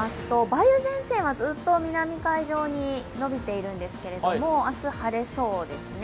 梅雨前線はずっと南海上に延びているんですけれども明日、晴れそうですね。